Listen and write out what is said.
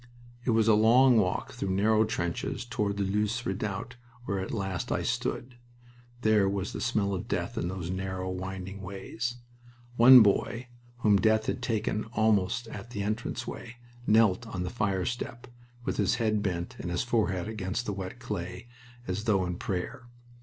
It was a long walk through narrow trenches toward that Loos redoubt where at last I stood. There was the smell of death in those narrow, winding ways. One boy, whom death had taken almost at the entrance way, knelt on the fire step, with his head bent and his forehead against the wet clay, as though in prayer.